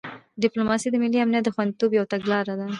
ډیپلوماسي د ملي امنیت د خوندیتوب یو تګلاره ده.